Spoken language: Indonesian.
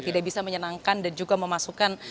tidak bisa menyenangkan dan juga memasukkan